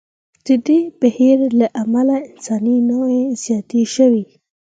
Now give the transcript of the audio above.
د دې بهیر له امله انساني نوعې زیاتې شوې.